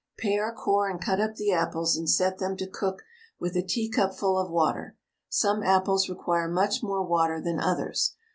Pare, core, and cut up the apples and set them to cook with a teacupful of water. Some apples require much more water than others.